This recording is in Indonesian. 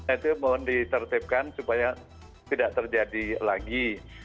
itu mohon ditertibkan supaya tidak terjadi lagi